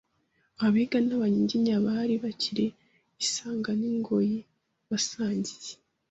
Abega n’Abanyiginya bari bakiri isanga n’ingoyi basangiye